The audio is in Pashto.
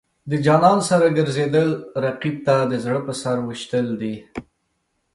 د جانان سره ګرځېدل، رقیب ته د زړه په سر ویشتل دي.